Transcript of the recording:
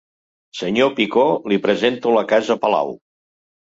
Senyor Picó, li presento la casa Palau.